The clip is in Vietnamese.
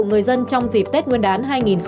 người dân trong dịp tết nguyên đán